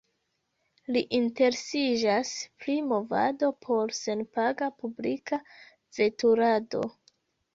Li interesiĝas pri Movado por senpaga publika veturado.